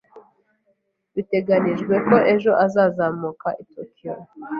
Biteganijwe ko ejo azazamuka i Tokiyo.